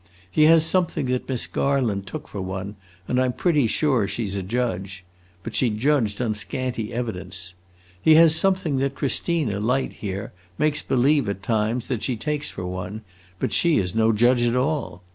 He has something that Miss Garland took for one, and I 'm pretty sure she 's a judge. But she judged on scanty evidence. He has something that Christina Light, here, makes believe at times that she takes for one, but she is no judge at all!